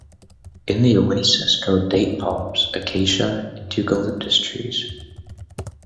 In the oases grow date palms, acacia and eucalyptus trees.